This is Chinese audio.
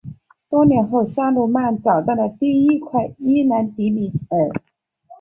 多年后萨鲁曼找到了第一块伊兰迪米尔。